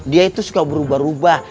dia itu suka berubah ubah